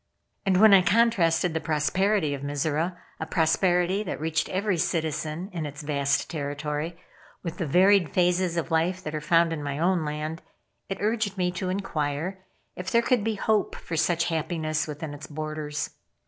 And when I contrasted the prosperity of Mizora a prosperity that reached every citizen in its vast territory with the varied phases of life that are found in my own land, it urged me to inquire if there could be hope for such happiness within its borders.